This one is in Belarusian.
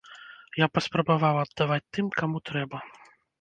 Я паспрабаваў аддаваць тым, каму трэба.